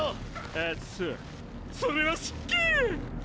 あっそそれは失敬！